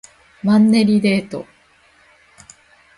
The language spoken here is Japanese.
マンネリデート